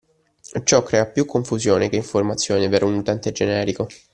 Ciò crea più confusione che informazione per un utente generico.